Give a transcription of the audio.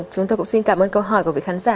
chúng tôi cũng xin cảm ơn câu hỏi của vị khán giả